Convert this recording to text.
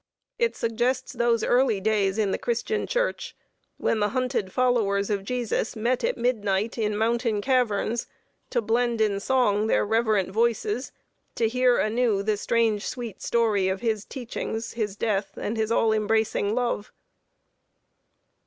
It suggests those early days in the Christian Church, when the hunted followers of Jesus met at midnight in mountain caverns, to blend in song their reverent voices; to hear anew the strange, sweet story of his teachings, his death, and his all embracing love.